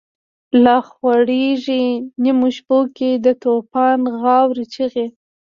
لاخوریږی نیمو شپو کی، دتوفان غاوری چیغی